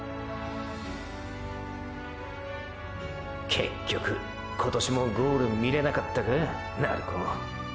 結局今年もゴール見れなかったかァ鳴子。